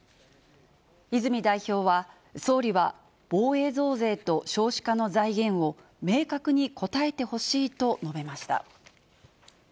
泉代表は、総理は、防衛増税と少子化の財源を明確に答えてほしいと述べました。